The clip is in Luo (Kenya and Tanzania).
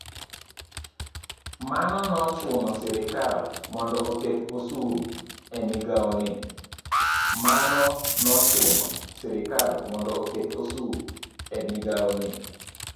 Mano nochuno sirikal mondo oket osuru e migao ni.